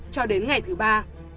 cho đến ngày thứ ba